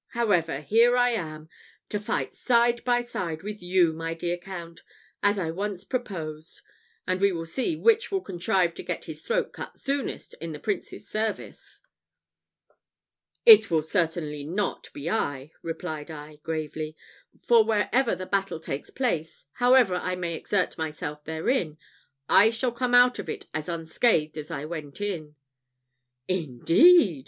However, here I am, to fight side by side with you, my dear Count, as I once proposed; and we will see which will contrive to get his throat cut soonest in the Prince's service." "It will certainly not be I," replied I, gravely; "for wherever the battle takes place, however I may exert myself therein, I shall come out of it as unscathed as I went in." "Indeed!